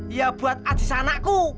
iya buat adis anakku